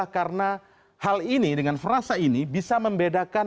karena hal ini dengan frasa ini bisa membedakan